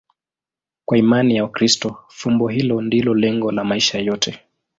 Kwa imani ya Wakristo, fumbo hilo ndilo lengo la maisha yote.